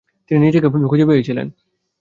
তিনি নিজেকে খুঁজে পেয়েছিলেন।